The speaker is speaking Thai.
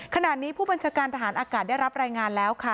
ขณะนี้ผู้บัญชาการทหารอากาศได้รับรายงานแล้วค่ะ